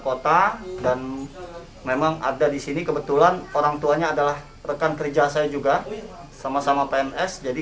kota dan memang ada di sini kebetulan orang tuanya adalah rekan kerja saya juga sama sama pns jadi